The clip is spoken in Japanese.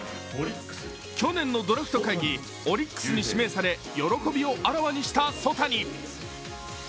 去年のドラフト会議、オリックスに指名され喜びをあらわにした曽谷。